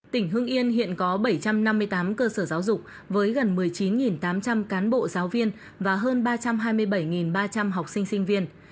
tỉnh hưng yên hiện có bảy trăm năm mươi tám cơ sở giáo dục với gần một mươi chín tám trăm linh cán bộ giáo viên và hơn ba trăm hai mươi bảy ba trăm linh học sinh sinh viên